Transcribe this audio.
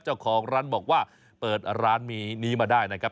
เจ้าของร้านบอกว่าเปิดร้านนี้มาได้นะครับ